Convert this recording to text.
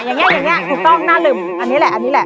เนี่ยอย่างนี้ถูกต้องหน้าลึ่มอันนี้แหละ